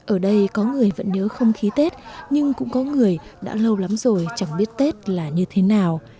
ở đây có người vẫn nhớ không khí tết nhưng cũng có người đã lâu lắm rồi chẳng biết tết là như thế nào